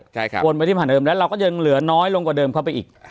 ใช่ครับวนไปที่ผ่านเดิมแล้วเราก็ยังเหลือน้อยลงกว่าเดิมเข้าไปอีก